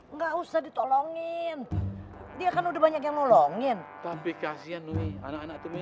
enggak usah ditolongin dia kan udah banyak yang nolongin tapi kasihan